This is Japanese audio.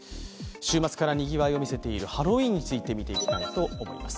週末からにぎわいを見せているハロウィーンについてみていきたいと思います。